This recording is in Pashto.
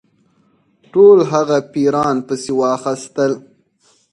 ټول هغه پیران پسي واخیستل.